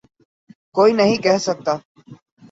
کوئی نہیں کہہ سکتا۔